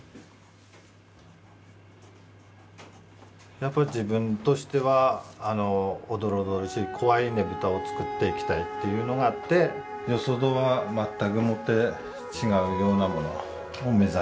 やっぱり自分としてはおどろおどろしい怖いねぶたを作っていきたいっていうのがあってよそとはまったくもって違うようなものを目指してる。